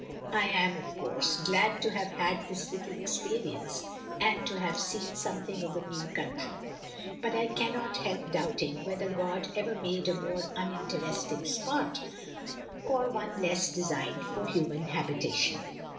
... 7 am of course, glad to have had this little experience and, to have seen something of a new country; but I cannot help doubting whether God ever made a more uninteresting spot, or one less designed for human habitation.